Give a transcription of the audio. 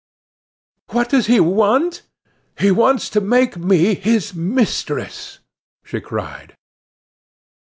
"What does he want? He wants to make me his mistress!" she cried.